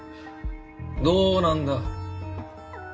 どうなんだ。